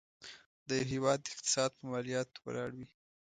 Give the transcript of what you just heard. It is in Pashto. د یو هيواد اقتصاد په مالياتو ولاړ وي.